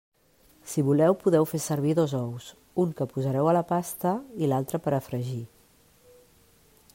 Si voleu, podeu fer servir dos ous: un que posareu a la pasta i l'altre per a fregir.